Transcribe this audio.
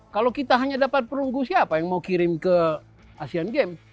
kalau kita hanya dapat perunggu siapa yang mau kirim ke asean games